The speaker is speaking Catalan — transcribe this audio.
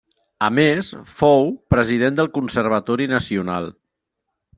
A més, fou, president del Conservatori Nacional.